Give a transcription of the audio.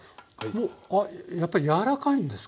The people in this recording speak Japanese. あっやっぱり柔らかいんですか？